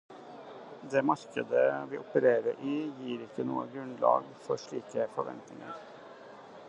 Det markedet vi opererer i gir ikke noe grunnlag for slike forventninger.